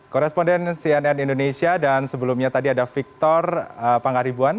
koresponden cnn indonesia dan sebelumnya tadi ada victor pangaribuan